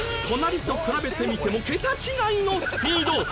隣と比べてみても桁違いのスピード。